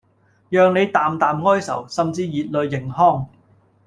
讓你淡淡哀愁、甚至熱淚盈眶